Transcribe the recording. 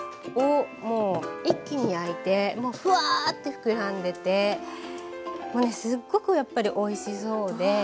もう一気に焼いてフワッて膨らんでてすっごくやっぱりおいしそうで。